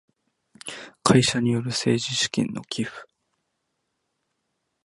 会社による政治資金の寄付